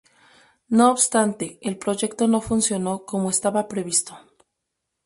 No obstante, el proyecto no funcionó como estaba previsto.